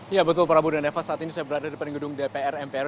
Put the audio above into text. ya betul prabu dan eva saat ini saya berada di depan gedung dpr mpr